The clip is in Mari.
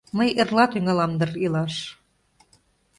Мый эрла тӱҥалам дыр илаш.